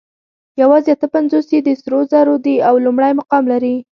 یواځې اته پنځوس یې د سرو زرو دي او لومړی مقام لري